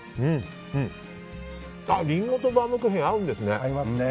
リンゴとバウムクーヘン合うんですね。